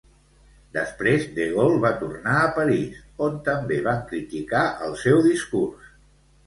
Després De Gaulle va tornar a París, on també van criticar el seu discurs.